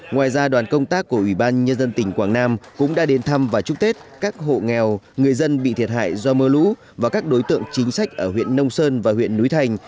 ngoài ra đoàn công tác của ủy ban nhân dân tỉnh quảng nam cũng đã đến thăm và chúc tết các hộ nghèo người dân bị thiệt hại do mưa lũ và các đối tượng chính sách ở huyện nông sơn và huyện núi thành